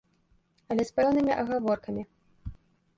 Але з пэўнымі агаворкамі.